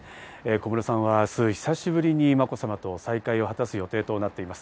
小室さんは明日久しぶりにまこさまと再会を果たす予定となっています。